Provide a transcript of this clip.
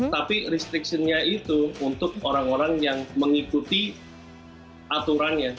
tapi restrictionnya itu untuk orang orang yang mengikuti aturannya